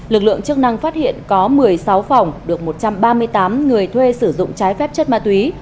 lực lượng chức năng phát hiện có một mươi sáu phòng được một trăm ba mươi tám người thuê sử dụng trái phép chất ma túy